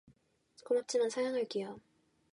고맙지만 사양할게요.